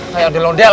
kayak ada londel